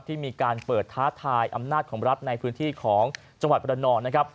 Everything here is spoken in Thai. ที่มีการเปิดท้าทายอำนาจของรัฐในพื้นที่ของจังหวัดบรรนองนะครับ